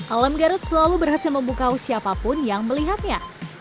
alam garut selalu berhasil membuka usia apapun yang melihatnya